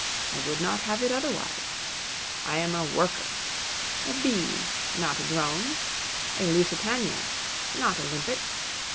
I would not have it otherwise. I am a worker. A bee, not a drone. A Lusitania, not a limpet.